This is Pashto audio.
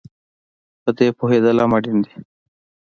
په دې پوهېدل هم اړین دي